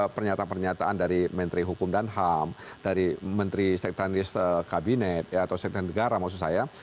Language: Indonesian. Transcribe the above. pernyataan pernyataan dari menteri hukum dan ham dari menteri sekretaris kabinet atau sekretaris negara maksud saya